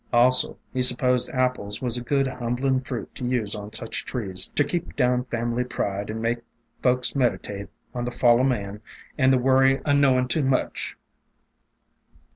Also, he supposed Apples was a good humblin' fruit to use on such trees ter keep down fam'ly pride and make folks meditate on the fall o' man and the worry o' knowin' too much."